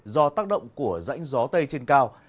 do tác động của rãnh gió tây trên cao